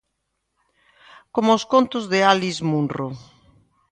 Coma os contos de Alice Munro.